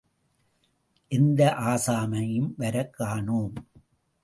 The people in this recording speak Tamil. எந்த ஆசாமியும் வரக்கானோம்.